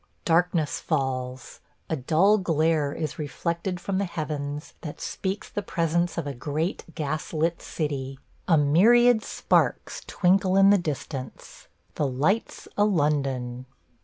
... Darkness falls. A dull glare is reflected from the heavens that speaks the presence of a great gas lit city. A myriad sparks twinkle in the distance – the "Lights o' London!"